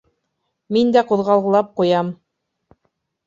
Мин дә ҡуҙғалғылап ҡуям.